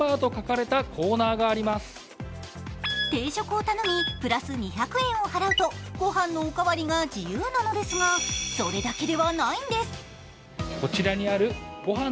定食を頼み、プラス２００円を払うと御飯のお代わりが自由なのですが、それだけではないんです。